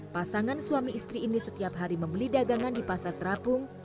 pasangan suami istri ini setiap hari membeli dagangan di pasar terapung